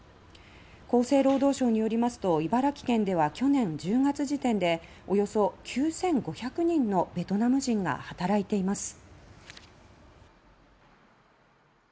厚生労働省によりますと茨城県では去年１０月時点でおよそ９５００人のベトナム人が働いています。